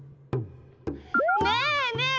ねえねえ